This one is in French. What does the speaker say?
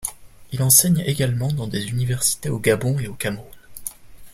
Il enseigne également dans des universités au Gabon et au Cameroun.